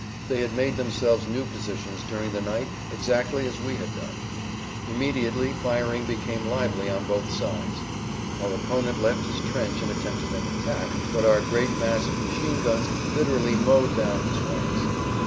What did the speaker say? They had made themselves new positions during the night exactly as we had done. Immediately firing became lively on both sides. Our opponent left his trench and attempted an attack, but our great mass of machine guns literally mowed down his ranks.